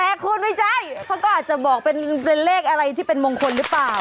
แต่คุณไม่ใช่เขาก็อาจจะบอกเป็นเลขอะไรที่เป็นมงคลหรือเปล่า